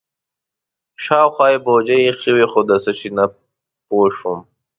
شاوخوا یې بوجۍ ایښې وې خو د څه شي نه پوه شوم.